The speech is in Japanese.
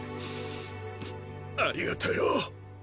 ありがとよ。